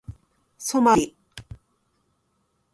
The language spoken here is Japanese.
ソマリ